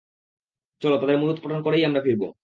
চলো, তাদের মূলোৎপাটন করেই আমরা ফিরব।